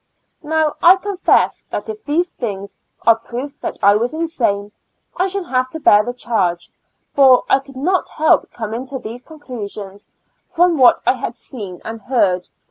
Now I confess that if these things are proof that I was insane, I shall have to bear the charge, for I could not help coming to these conclusions from what I had seen and heard.